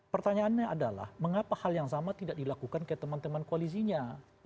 pertanyaannya adalah mengapa hal yang sama tidak dilakukan ke teman teman koalisinya